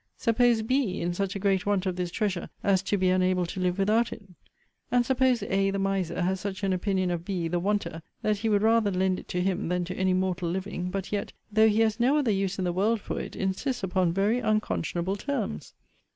Suppose B, in such a great want of this treasure, as to be unable to live without it. And suppose A, the miser, has such an opinion of B, the wanter, that he would rather lend it to him, than to any mortal living; but yet, though he has no other use in the world for it, insists upon very unconscionable terms.